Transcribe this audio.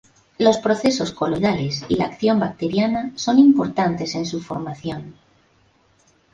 Los procesos coloidales y la acción bacteriana son importantes en su formación.